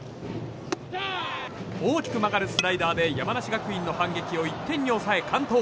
大きく曲がるスライダーで山梨学院の反撃を１点に抑え完投。